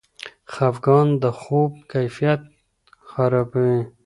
خفګان د خوب کیفیت خرابوي.